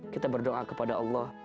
kita berdoa kepada allah